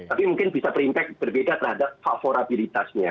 tapi mungkin bisa berimpact berbeda terhadap favorabilitasnya